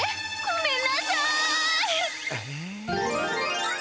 ごめんなさい！